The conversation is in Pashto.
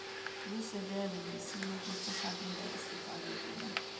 وروسته بیا له مسي لوښو څخه ډېره استفاده کېدله.